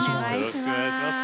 よろしくお願いします。